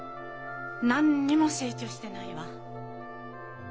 何にも成長してないわ。